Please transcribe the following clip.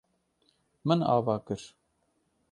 Min ava kir.